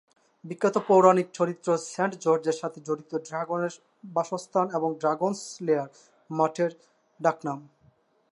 বিখ্যাত পৌরাণিক চরিত্র সেন্ট জর্জের সাথে জড়িত ড্রাগনের বাসস্থান বা "ড্রাগন’স লেয়ার" মাঠের ডাকনাম।